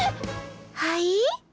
はい？